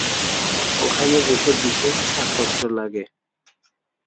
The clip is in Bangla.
ওখানে যেতে বিশেষ ছাড়পত্র লাগে।